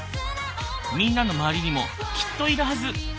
みんなの周りにもきっといるはず。